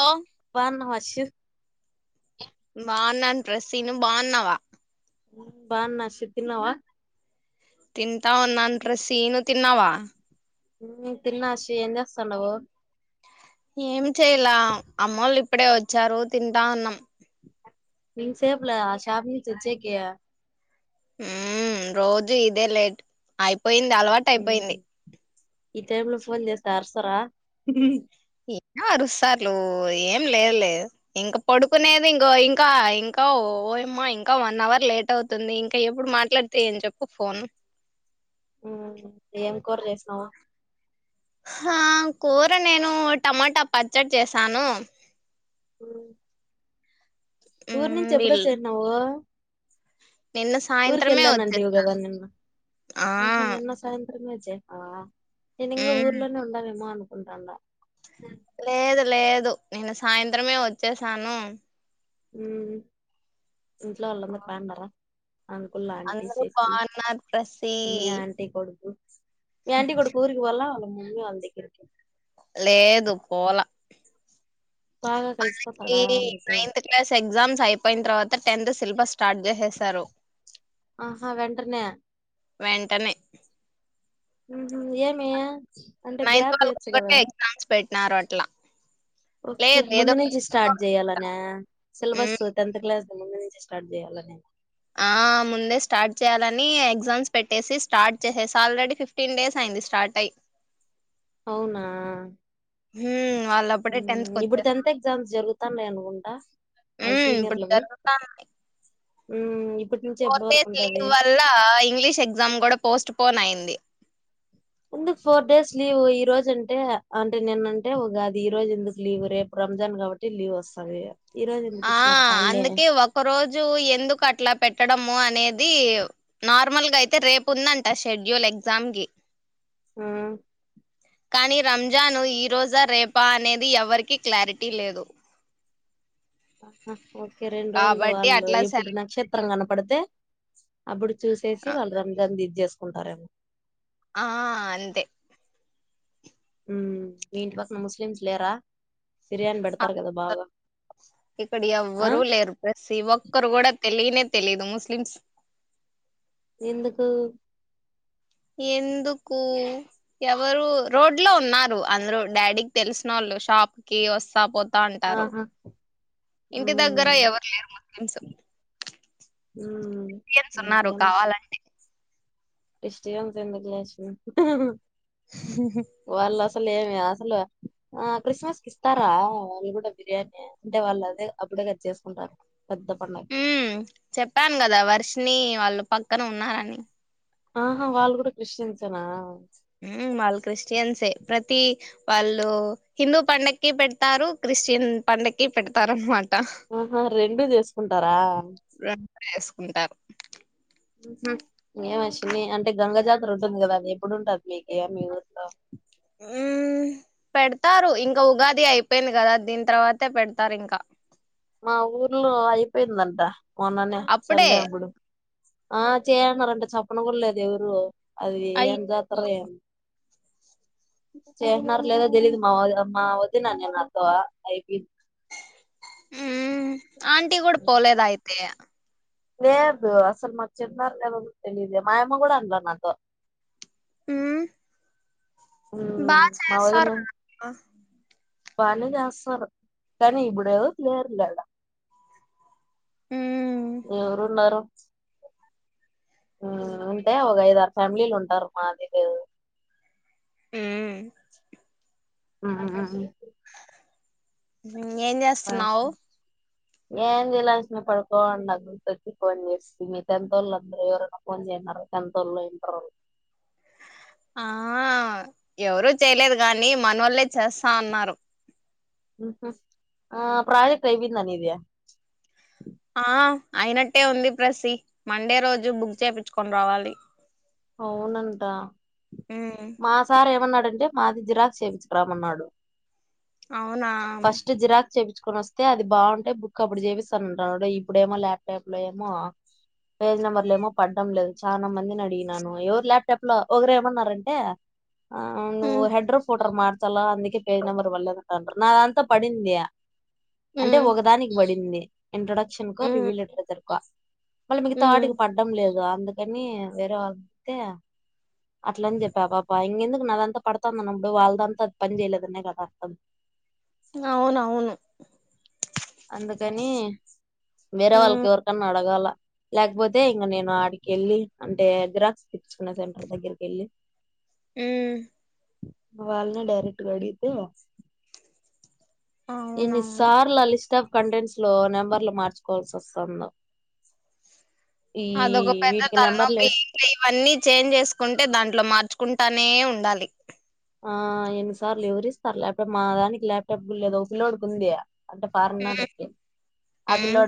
ఓ ఆమ్ హర్షు. బావున్నాన్ ప్ర్రస్సీను బావున్నావా. బావున్నా హర్షు తిన్నావా. తింటా ఉన్నాను ప్రస్సీను తిన్నావా. ఊ తిన్నా హర్షి ఏం చేస్తండవూ. ఏమి చెయలా అమ్మోళ్ళు ఇప్పుడే ఒచ్చారు తింటా ఉన్నం. ఇన్త్ సేపులే షాప్ నుంచి ఒచ్చేకీ. ఊ రోజు ఇదే లేట్ అయిపోయింది అలవాటయిపోయింది. ఉమ్, ఈ టైమ్మ్ లో ఫోన్ చేస్తే అరుస్తారా ఇ అరుసార్లు ఏం లేదులేదులే ఇంక పడుకునేది ఇంక ఇం ఇంకా ఇంకా ఓయమ్మా ఇంకా వన్ అవర్ లేట్ అవుతుంది ఇంకా ఎప్పుడు మాట్లాడితే ఏందీ చెప్పు ఫోన్ మ్ ఏం కూర చేసినావ్ హ కూర నేను టమాటా పచ్చడి చేసాను మ్ ఊరు మ్మ్ నుంచి వీళ్ళు ఎప్పుడోచ్చేసినావు నిన్న ఊరికి సాయంత్రమే వెళ్ళానండి పోగేదా వచ్చేసాను నిన్న ఆ ఆహా నిన్న సాయంత్రంమే నేనింగా మ్మ్ ఊర్లోనే ఉండవేమ అనుకుంటాన లేదు లేదు నిన్న సాయంత్రమే వచ్చేసాను ఊ ఇంట్లో వాళ్ళందర్ బావుండార. అంకుల్ ఆంటీ అందరూ సిస్సి బాగున్నారు ప్రసి మీ ఆంటీ కొడుకు మీ ఆంటీ కొడుకు ఊరికి పోల అళ్ళ మమ్మీ వాళ్దగ్గరికి. లేదు పోల. బాగా వాళ్లకీ కలిసిపోతాడా మీతో నైన్త్ క్లాస్ ఎగ్జామ్స్ అయిపోయిన తర్వాత టెన్త్ సిలబస్ స్టార్ట్ జే చేస్తారు. ఆహా వెంట్రనే. వెంటనే. ఉహూ యేమీ. నైన్త్ వాళ్ళకొకటే ఎగ్జామ్స్ పెట్టినారట్ల. ఓకే ముందు నుంచి స్టార్ట్ జేయాలనా మ్, సిలబస్సు టెన్త్ క్లాస్ ముందు నుంచే స్టార్ట్ జేయాలనే. ఆ ముందే స్టార్ట్ చేయాలని ఎగ్జామ్స్ పెట్టేసి స్టార్ట్ చేసేసి ఆల్రెడీ ఫిఫ్టీన్ డేస్ అయి ది స్టార్ట్ అయి. అవునా. మ్, వాళ్ళు అప్పుడే టెన్త్ కి ఇప్పుడు వచ్చారు టెన్త్ ఎగ్జామ్స్ జరుగుతాన్నయనుకుంటా. ఊ ఇప్పుడు జరుగుత మ్మ్ ఫోర్ డేస్ లీవ్ వల్ల ఇంగ్లీష్ ఎగ్జామ్ గూడా పోస్ట్ పోన్ అయింది ఎందుకు ఫోర్ డేస్ లీవ్ ఈ రోజు అంటే అంటే నిన్నంటే ఉగాది ఈ రోజు ఎందుకు లీవ్ రేపు రంజాన్ కాబట్టి లీవ్ వస్తది ఈ రోజు ఎందుకు ఆ ఇచ్చినారు హాలిడే అందుకే ఒక రోజు ఎందుకు అట్లా పెట్టడం ఉమో అనేది నార్మల్ గా అయితే రేపు ఉందంట షెడ్యూల్ ఎగ్జామ్ కి ఆ... కానీ రంజాను ఈరోజా రేపా అనేది ఎవరికీ క్లారిటీ లేదు ఓకే రెండు రోళ్ళు కాబట్టి వాళ్ళు అట్లా ఎప్పుడు సెల నక్షత్రం కన పడితే అప్పుడు చూసేసి ఆ వాళ్ళు రంజాన్ది జేస్కుంటారేమో ఆ.. అంతే మ్ మీ ఇంటి పక్కన ముస్లిమ్స్ లేరా బిర్యానీ ఆ, పెడతారు కదా బాగా ఇక్కడ ఆ ఎవ్వరు లేరు ప్రసి ఒక్కరు కూడా తెలినే తెలిదు ముస్లిమ్స్ ఎందుకు ఎందుకు ఎవరు రోడ్లో ఉన్నారు అందరు డాడీకి తెల్సిన వోళ్ళు లొ షాపుకి వస్సా పో తా ఉంటారు ఆహా ఇంటి దగ్గర ఉమ్ ఎవరు లేరు ముస్లిమ్స్ మ్మ్ ఇండియన్స్ ఉన్నారు ఇంకేమ కావాలని క్రిష్టియన్స్ ఎందుకు లే చిన్న హ స్సల్ లేవేమీ అస్సలు ఆ క్రిస్మస్ కి ఇస్తారా వాళ్ళు కూడా బిర్యానీ అంటే వాళ్ళు అదే అప్పుడే కద చేసుకుంటారు పెద్ద పండగ మ్మ్ చెప్పాను కదా వర్షినీ వాళ్ళు పక్కన ఉన్నారని ఆహా వాళ్ళు కూడా క్రిష్టియన్స్ యేన మ్ వాళ్ళు క్రిస్టియన్సే ప్రతి వాళ్ళు హిందూ పండక్కి పెడతారు స్టియన్ పండక్కి పెడతార అన్నమా ఆహా రెండు జేసుకుంటారా ఉంటారు హు ఏమ చిన్ని అంటే గంగ జాతర ఉంటుంది కదా అది ఎప్పుడు ఉంటది మీకీ మీ ఊర్లో ఉమ్మ్ పెడతారు ఇంకా ఉగాది అయిపోయింది కదా దీని తర్వాతే పెడతారు ఇంకా ఆ ఊర్లో అయిపోయిందంట మొన్ననే అప్పుడే సండే అప్పుడు ఆ చేయ్ అన్నారంట చెప్పను గూడా లేదు ఎవరు అది అయి ఏం జాతర ఏం చేయిత్నారో లేదో తెలీదు మా వదిన మా వదిన అంది నాతో అయ్ కి ఉమ్ ఆంటీ కూడా పోలేదా అయితే లేదు అసలు మాకు చెప్పినారో లేదో కూడా తెలిదె మా అమ్మ గూడ అనలేదు నాతో మ్మ్ బా ఉమ్ మా వదిన చేస్తారు మా ఊర్లో బానే చేస్తారు కాని ఇప్పుడేదో తీర్లేడ ఉమ్ ఎవరున్నారు ఉంటే ఒక ఐదు ఆరు ఫ్యామిలీలు ఉంటారు మాదిగో మ్మ్ ఆహాహాహ ఏం జేస్తున్నావు ఏంది లేసిన పడుకోని ఉన్న గుర్తు వచ్చి ఫోన్ చేస్తిమీ తెంత్తోళ్ళ అందరు ఎవరన్నా ఫోన్ జే తిన్నరు టెన్త్ వోళ్ళు ఇంటర్ వోల్ ఆ ఎవరు చేయలేదు గాని మనోల్లే చేస్తా అన్నారు ఆ ప్రాజెక్ ఐపోయిందా మీది ఆ అయినట్టే ఉంది ప్రసి మండే రోజు బుక్ చేయించుకొని రావాలి అవునంటా ఉమ్ మా సార్ ఏమన్న అడంటే మాది జిరాక్స్ చేపించురమన్నాడు అవునా చెయిించుకొని వస్తే అది బాగుంటేయి బుక్ అప్పుడు చేపిస్తాన ఇప్పుడు ఏమో ల్యాప్టాప్ లో ఏమో పేజ్ నెంబర్లు ఏమో పడ్డం లేదు చాలా మంది నడిగి నను ఎవరు లాప్టాప్ ఒకరు ఏమన్నారంటే నువ్వు ఉమ్ హెడ్రో ఫోటర్ లా అందుకే పేజ్ నెంబర్ వళ్లేదంట నాదంట్లో పడింది అంటే ఉమ్ ఒకదానికి పడింది ఇంట్రొడక్షన్కో ఉమ్ రివ్యూ లిటరేచర్ కో మళ్ళీ ఉమ్ మిగతాటికి పడ్డం లేదు అందుకని వేరే [unintelligible] అట్ల అని చెప్పా పాప ఇంకెందుకు నాదంతో పడతాందిన్నప్పుడు వాళ్ళదంతా అది పని చేయలేదనే కదా అర్థం అవునవును అందుకని వేరే ఉమ్ వాళ్ళకి ఎవరికన్నా అడగాల లేకపోతే ఇంక నేను ఆడికి వెళ్ళి అంటే జిరాక్స్ తీచుకునే సెంటర్ దగ్గరకి వెళ్ళి ఉ వాళ్లనే డైరెక్ట్గా అడిగితే ఎన్ని అవునవును సార్లు [unintelligible] కంటెంట్స్ లో నెంబర్లు మార్చుకోవాల్సి వస్తాన్దో అదొక పెద్ద తలనొప్పి ఇంక ఇవన్నీ చేంజ్ చేసుకుంటే దాంట్లో మార్చు కుంటానే ఉండాలి ఆ ఎన్ని సార్లు వివరిస్తారు ల్యాప్టాప్ మా దానికి ల్యాప్టాప్ లేదో ఒకపలోడ్కి ఉంది [unintelligible] ఉమ్ ఉమ్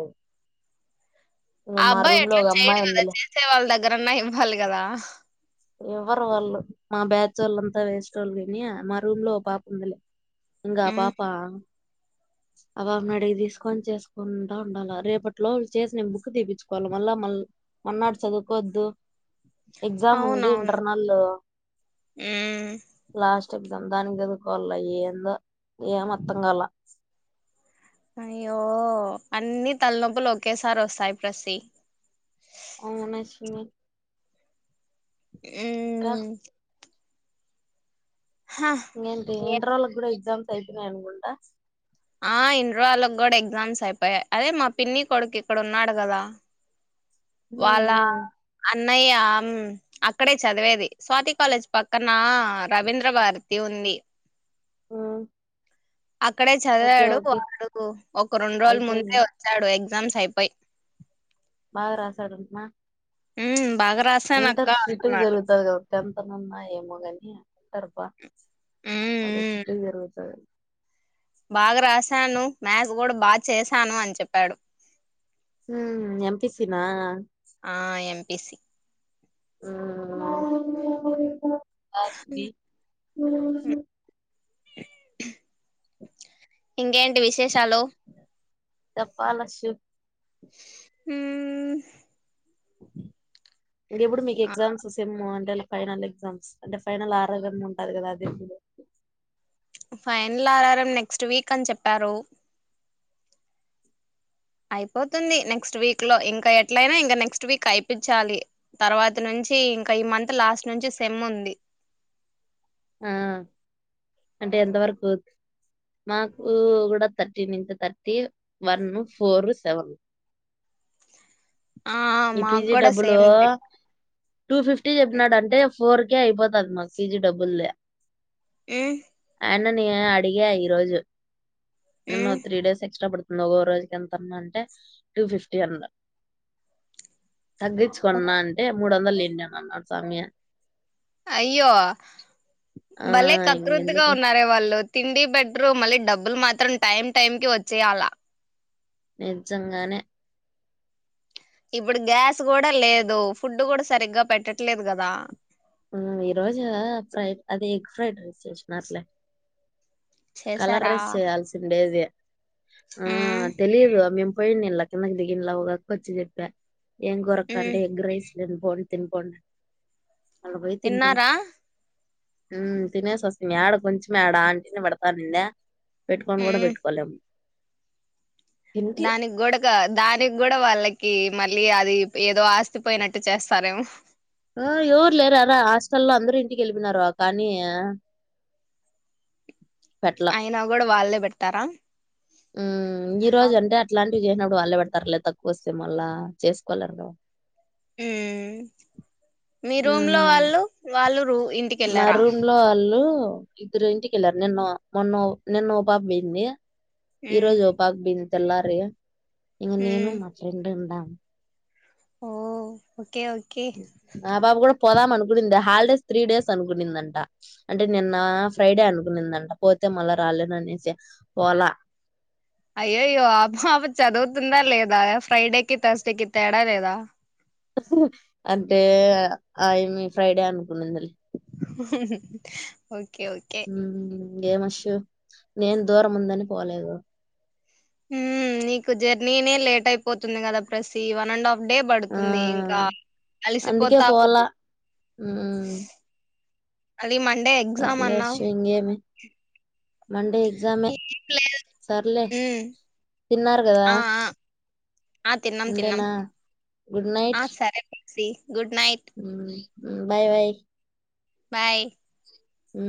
[unintelligible] ఇంకా ఆ మా అబ్బాయి రూమ్ లో ఎట్ల ఒక చేయడు అమ్మాయి కదా ఉందిలే చేసే వాళ్ళ దగ్గరన్నా ఇవ్వాలి కదా ఎవరు వాళ్ళు మా బ్యాచ్ వాళ్ళంతా వేస్ట్ వాళ్ళు కాని మా రూమ్ లో పాప ఉందిలే ఆ ఉమ్ పాప అ పాపని అడిగి తీసుకొని చేసుకుంటా ఉండాలి రేపటి లోపల చేసి నేను బుక్ తీపించుకోవాలి మళ్ళీ మళ్ళీ మన్నాడు చదువుకోద్దు ఎక్జామ్ ఉం అవునవును ఇంటర్నల్ ఉమ్ లా దానికి చదుకోవాల ఏందో ఎం అర్థం కాల అయ్యో అన్ని తలనొప్పులు ఒకేసారి వస్తాయి ప్రసి అవున చిన్నీ ఇంక మ్మ్ హ ఇంకేంటి ఇంటర్ ఓలకి కూడ ఎగ్జామ్స్ అయిపోన్నాయి, అనుకుంట ఆ ఇంటర్ రోళ్ళకి కూడా ఎగ్జామ్స్ అయిపోయా, అదే మా పిన్ని కొడుకు ఇక్కడ ఉన్నాడు కద హు అన్నయ్య అక్కడే చదివేది స్వాతి కాలేజ్ పక్కన రవీంద్ర భారతి ఉంది. ఉంది ఆ అక్కడే చదివాడు, వాడు ఒక రెండు రోజుల ముందే అయిపోయిందా వచ్చాడు, ఎగ్జామ్స్ అయిపోయి బాగ రాసాడటన ఉ బాగ రాసాన అక్క గా అంటున్నాడు. జరుగుతది కదా టెన్త్ ఉన్నా ఏమో కాని, ఇంటర్ బాగా మ్మ్ సిట్ట్ జరుగుతుంది. బాగా రాశాను మ్యాస్, కూడ బాగా చేశాను అని చెప్పాడు. ఉ ఎంపిసిన ఆ [unintelligible] [unintelligible] బస్వి ఊ [unintelligible] ఇంకేంటి విశేషాలు చెప్పాలే ఆశు ఊ ఇంకెప్పుడు మీకు ఎగ్జామ్స్ సేమ్ వన్ ఇయాల ఫైనల్ ఎగ్జామ్స్ అంటే ఫైనల్ ఆరోగంగా ఉంటది కదా అదేలో ఫైనల్ ఆరారం నెక్స్ట్ వీక్ అని చెప్పారు. అయిపోతుంది నెక్స్ట్ వీక్ లో ఇంకా ఎట్లయినా ఇంకా నెక్స్ట్ వీక్ అయిపించాలి తర్వాత నుంచి నుంచి ఇంకా ఈ మంత్ లాస్ట్ నుంచి సెమ్ ఉంది. [unintelligible] ఆ అంటే ఎంతవరకు మాకు కూ కూడా థర్టీ నుంచి థర్టీ వన్ ఫోర్ సెవెన్ [unintelligible] ఆ ఈ మాకు పిజీ కూడా డబ్బులు సేమ్ డే. టూ ఫిఫ్టీ చెప్పినాడంటే ఫోర్ కే అయిపోతది మాకు పీజీ డబుల్ లే ఊ అయన్నని అడిగా ఈ రోజు నిన్నా ఉమ్ ఒ త్రీ డేస్ ఎక్స్ట్రా పడుతు నొక్కక రోజుకి ఎంత అన్నా అంటే టూ ఫిఫ్టీ అన్నడు తగ్గించుకో అన్న అంటే మూడు వందలు తెండి అన్నాడు స్వామి, అయ్యో ఆ భలే కకృతిగా ఇంకెందుకు ఉన్నారే వాళ్ళు తిండి పెట్రూ మళ్ళీ డబ్బులు మాత్రం టైమ్ టైం కి వచ్చేయాల నిజంగానే ఇప్పుడు గ్యాస్ కూడా లేదు ఫుడ్ కూడా సరిగ్గా పెట్టట్లేదు కదా ఊ ఈ రోజు ఫ్రైడ్ అదే ఎగ్ ఫ్రైడ్ రైస్ చేసినరు లే కలర్ చేసారా రైస్ చేయాల్సిండేది ఆ ఉమ్ తెలిదు గా మేము పోయిడి ఇలా కిందకి దిగిలా ఉగా అక్క వచ్చి చెప్పా ఏం కూర అక్క ఉమ్ అంటే ఎగ్ రైస్ తినిపోండి తినిపోండి మళ్ల పోయి తింటిమి తిన్నారా ఊ తినేసి వస్తమి ఆడ కొంచెం ఆడ ఆంటిని పెడతానిందే పెట్టుకోను కూడా ఉమ్ పెట్టుకోలేం దానికి కూడా కా దానికి కూడా వాళ్ళ కి మళ్ళీ అది ఏదో ఆస్తి పోయినట్టు చేస్తారేమో ఆ ఎవరు లేరునా హాస్టల్లో అందరు ఇంటికి వెళ్ళపోనారు కానీ పెట్లా అయినా కూడా వాళ్లే బెడతారా ఊ ఈ రోజు అంటే అట్లాంటివి చేయనప్పుడు వాళ్ళ పెడతారులే తక్కువ వస్తే మళ్ళా చేసుకోలేరుగా ఊ మీ రూమ్ లో ఉమ్ వాళ్ళు వాళ్ళు రూ ఇంటికి మా వెళ్ళారా రూమ్ లో వాళ్ళు ఇద్దరు ఇంటకెళ్ళారు నిన్న మొన్నో నిన్నో బాబయింది ఈ మ్మ్ రోజు ఓ పాక్ బిన్ తెల్లారి ఇంక నేను మ్మ్ మా ఫ్రెండ్ ఉండామ్ ఓ ఓకే ఓకే ఆ పాప కూడా పోదాం అనుకునింద హాలిడేస్ త్రీ డేస్ అనుకునిందంట అంటే నిన్న ఫ్రైడే అనుకునిందంట పోత్ తే మలా రాలేననేసి పోలా అయ్యోయ్యో ఆపాప చదువుతుందా లేదా ఫ్రైడేకి థర్స్డేకి తేడా లేదా అంటే ఆ ఏమి ఫ్రైడే అనుకున్నంది మళ్ళీ ఓకే ఓకే ఊ ఏం అషు నేను దూరం ఉందని పోలేదు ఊ నీకు జర్నీనే లేట్ అయిపోతుంది కదా ప్రసి ఈ వన్ అండ్ హాఫ్ డే ఆ పడుతుంది ఇంకా కలిసిపోతా ఊ మళ్ళీ మండే ఎగ్జామ్ సరేలే అన్నావ్ [unintelligible] మండే ఎగ్జామే ఏం లేదు సర్లే ఉమ్ తిన్నారు కదా ఆ ఆ ఆ తిన్నాం తిన్నాం ఉండనా good night C good night ఉమ్ బాయ్ బాయ్ బాయ్ ఉ